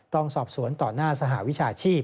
ต้องสอบสวนต่อหน้าสหวิชาชีพ